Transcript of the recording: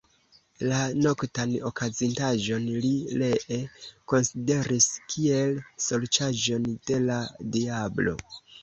La noktan okazintaĵon li ree konsideris kiel sorĉaĵon de la diablo.